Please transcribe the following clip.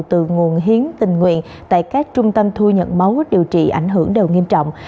từ nguồn hiến tình nguyện tại các trung tâm thu nhận máu điều trị ảnh hưởng đều nghiêm trọng